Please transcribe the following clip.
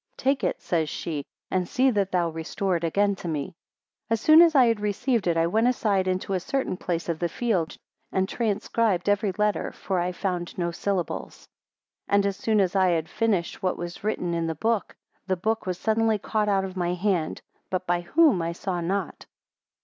5 Take it, says she, and see that thou restore it again to me. 6 As soon as I had received it, I went aside into a certain place of the field, and transcribe every letter, for I found no syllables. 7 And as soon as I had finished what was written in the book, the book was suddenly caught out of my hand, but by whom I saw not.